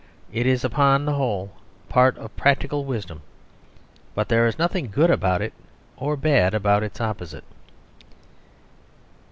It is upon the whole part of practical wisdom; but there is nothing good about it or bad about its opposite.